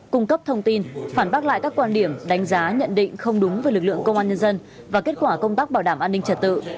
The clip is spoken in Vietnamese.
cung cấp thông tin phản bác lại các quan điểm đánh giá nhận định không đúng về lực lượng công an nhân dân và kết quả công tác bảo đảm an ninh trật tự